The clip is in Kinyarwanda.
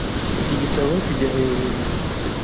Iki gitabo kijya hejuru .